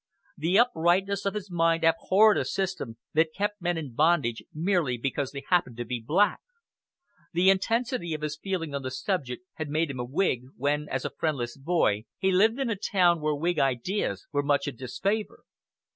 The uprightness of his mind abhorred a system that kept men in bondage merely because they happened to be black. The intensity of his feeling on the subject had made him a Whig when, as a friendless boy, he lived in a town where Whig ideas were much in disfavor.